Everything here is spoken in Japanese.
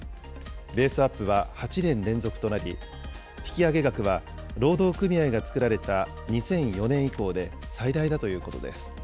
ベースアップは８年連続となり、引き上げ額は労働組合が作られた２００４年以降で最大だというこ